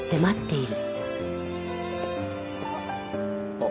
あっ。